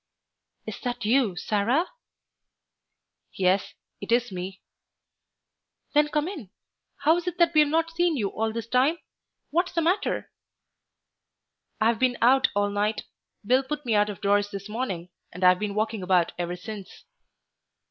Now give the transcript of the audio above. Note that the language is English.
"Is that you, Sarah?" "Yes, it is me." "Then come in.... How is it that we've not seen you all this time? What's the matter?" "I've been out all night. Bill put me out of doors this morning, and I've been walking about ever since."